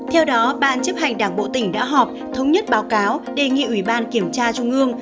theo đó ban chấp hành đảng bộ tỉnh đã họp thống nhất báo cáo đề nghị ủy ban kiểm tra trung ương